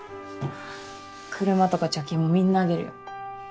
車とか貯金もみんなあげるよ。